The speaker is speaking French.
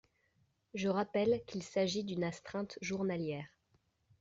Je rappelle qu’il s’agit d’une astreinte journalière.